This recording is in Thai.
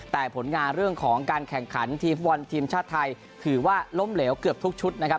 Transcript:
แต่ผลงานเรื่องของการแข่งขันทีมฟุตบอลทีมชาติไทยถือว่าล้มเหลวเกือบทุกชุดนะครับ